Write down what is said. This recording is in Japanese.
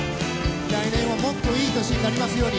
来年はもっといい年になりますように。